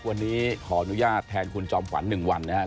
วันนี้ขออนุญาตแทนคุณจอมขวัญ๑วันนะครับ